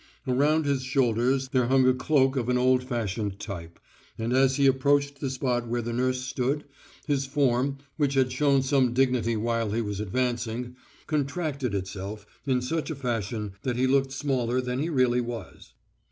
Around his shoulders there hung a cloak of an old fashioned type, and as he approached the spot where the nurse stood, his form, which had shown some dignity while he was advancing, contracted itself in such a fashion that he looked smaller than he really was.